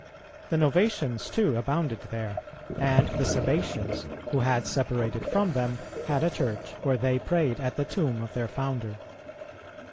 The Novatians too abounded there; and the Sabbatians, who had separated from them, had a church, where they prayed at the tomb of their founder.